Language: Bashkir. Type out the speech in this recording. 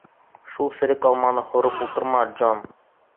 — Шул серек алманы һурып ултырма, Джон!